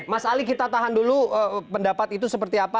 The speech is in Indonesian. mas ali kita tahan dulu pendapat itu seperti apa